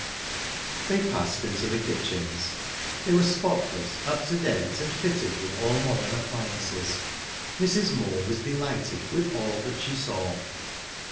They passed into the kitchens. They were spotless, up to date, and fitted with all modern appliances. Mrs. Moor was delighted with all that she saw.